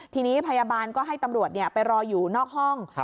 ทีนี้พยาบาลก็ให้ตำรวจไปรออยู่นอกห้อง